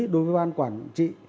đối với ban quản trị